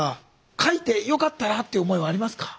書いてよかったなっていう思いはありますか？